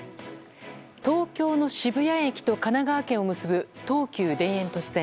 東京の渋谷駅と金川駅結ぶ東急田園都市線。